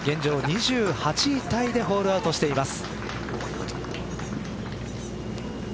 ２８位タイでホールアウトしています。